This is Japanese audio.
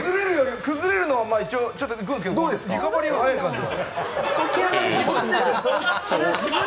崩れるのは一応いくんですけど、リカバリーが早い感じが。